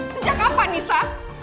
sejak kapan nisa